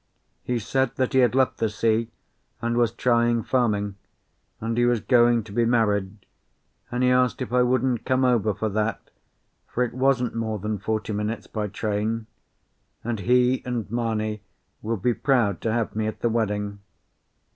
He said that he had left the sea, and was trying farming, and he was going to be married, and he asked if I wouldn't come over for that, for it wasn't more than forty minutes by train; and he and Mamie would be proud to have me at the wedding.